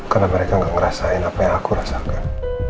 karena mereka gak ngerasain apa yang aku rasain